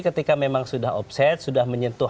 ketika memang sudah offset sudah menyentuh